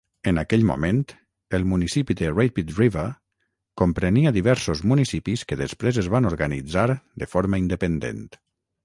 En aquell moment, el municipi de Rapid River comprenia diversos municipis que després es van organitzar de forma independent.